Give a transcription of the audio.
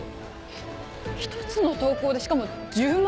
えっ１つの投稿でしかも１０万